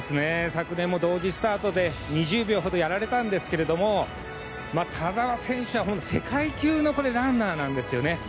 昨年も同時スタートで２０秒ほどやられたんですけど田澤選手は世界級のランナーなんですよね。